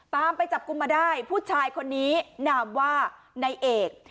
ไปจับกลุ่มมาได้ผู้ชายคนนี้นามว่านายเอก